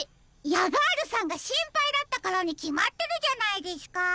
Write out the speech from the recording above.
ヤガールさんがしんぱいだったからにきまってるじゃないですか。